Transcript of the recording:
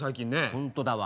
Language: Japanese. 本当だわ。